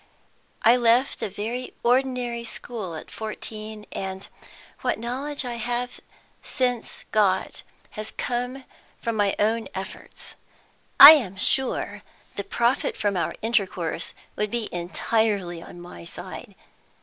I left a very ordinary school at fourteen, and what knowledge I have since got has come from my own efforts. I am sure the profit from our intercourse would be entirely on my side.